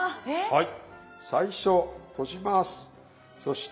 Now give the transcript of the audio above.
はい。